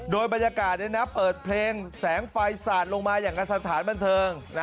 โดยบรรยากาศเปิดเพลงแสงไฟสาดลงมาอย่างกับสถานบันเทิง